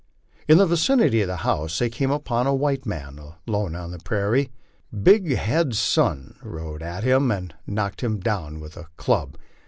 In the vicinity of the house they came upon a white man alone upon the prairie. Big Head's son * rode at him and knocked him down with a club.